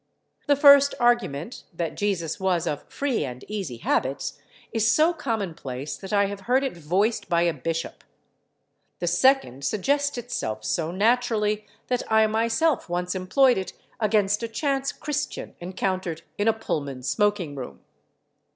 The first argument—that Jesus was of free and easy habits—is so commonplace that I have heard it voiced by a bishop. The second suggests itself so naturally that I myself once employed it against a chance Christian encountered in a Pullman smoking room.